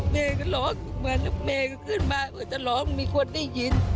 เมย์ก็ร้องอยู่เมย์ก็ขึ้นมาเหลือจะร้องมีคนได้ยิน